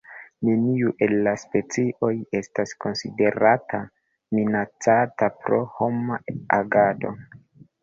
Neniu el la specioj estas konsiderata minacata pro homa agado.